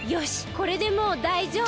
これでもうだいじょう。